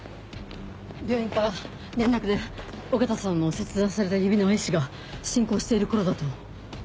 病院から連絡で緒方さんの切断された指の壊死が進行している頃だと。